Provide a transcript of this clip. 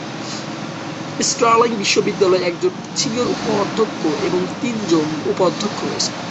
Sterling বিশ্ববিদ্যালয়ে একজন senior উপ-অধ্যক্ষ এবং তিনজন উপ-অধ্যক্ষ রয়েছেন।